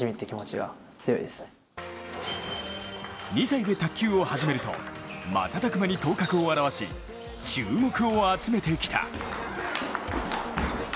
２歳で卓球を始めると瞬く間に頭角を現し注目を集めてきた。